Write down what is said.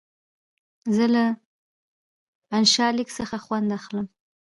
زه له انشا لیک څخه خوند اخلم.